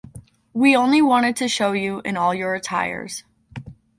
We only wanted to show you in all your attires.